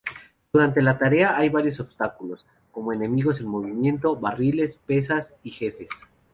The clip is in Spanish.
Durante la tarea, hay varios obstáculos, como enemigos en movimiento, barriles, pesas y jefes.